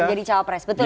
menjadi capres betul ya